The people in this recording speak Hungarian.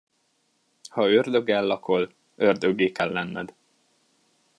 Ha ördöggel lakol, ördöggé kell lenned.